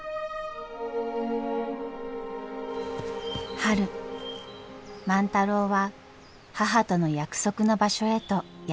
春万太郎は母との約束の場所へとやって来ました。